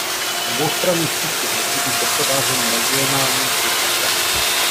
Oboustranný přístup musí být doprovázen regionálním přístupem.